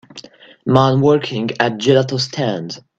man working a gelato stand